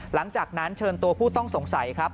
หลังจากนั้นเชิญตัวผู้ต้องสงสัยครับ